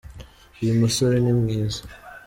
Uyumusore nimwiza.